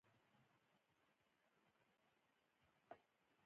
ژورې سرچینې د افغانستان د اقلیم ځانګړتیا ده.